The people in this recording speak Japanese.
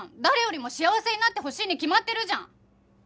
誰よりも幸せになってほしいに決まってるじゃん！